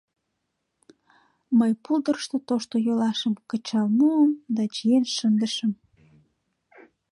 Мый пулдырышто тошто йолашым кычал муым да чиен шындышым.